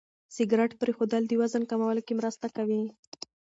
سګرېټ پرېښودل د وزن کمولو کې مرسته کوي.